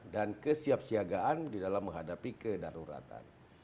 dan kesiapsiagaan di dalam menghadapi kedaruratan